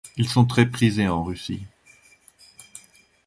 Ils sont très prisés en Russie.